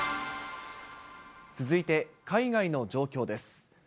続いて、海外の状況です。